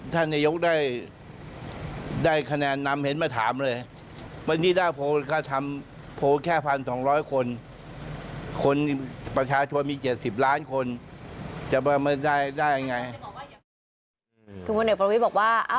ทุกคนเหนือพลวิทธิ์บอกว่า